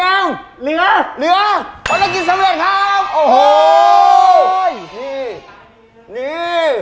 อ้อพี่แอมเหลือเหลือผลกิจสำเร็จครับโอ้โฮ